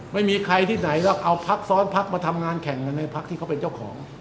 ไม่มีใครที่ไหนหรอกเอาพักซ้อนพักมาทำงานแข่งกันในพักที่เขาเป็นเจ้าของ